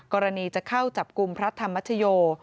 กรณีจะเข้าจับกุมพระธรรมราชยนต์